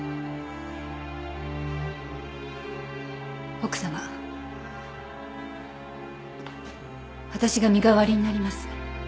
奥様私が身代わりになります。